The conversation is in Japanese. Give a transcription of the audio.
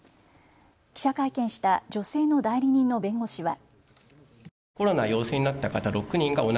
記者会見した女性の代理人の弁護士は。